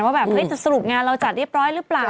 ว่าแบบสรุปงานเราจัดเรียบร้อยหรือเปล่า